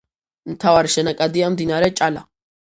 მთავარი შენაკადია მდინარე ჭალა.